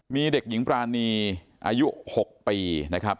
มีเด็กหญิงปรานีอายุ๖ปีนะครับ